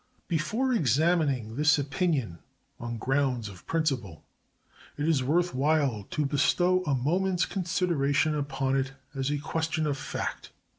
Before examining this opinion on grounds of principle, it is worth while to bestow a moment's consideration upon it as a question of fact.